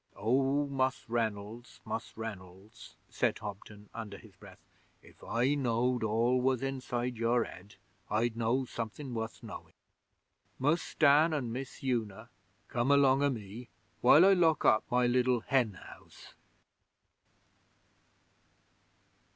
'Oh, Mus' Reynolds, Mus' Reynolds!' said Hobden, under his breath. 'If I knowed all was inside your head, I'd know something wuth knowin'. Mus' Dan an' Miss Una, come along o' me while I lock up my liddle hen house.'